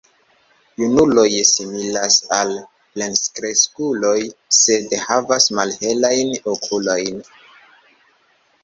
Junuloj similas al plenkreskuloj, sed havas malhelajn okulojn.